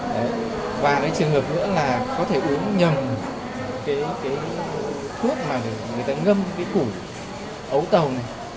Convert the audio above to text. đấy và cái trường hợp nữa là có thể uống nhầm cái thuốc mà người ta ngâm cái củi ấu tàu này